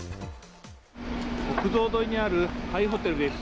国道沿いにある廃ホテルです。